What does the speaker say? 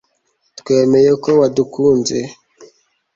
twemeye ko wadukunze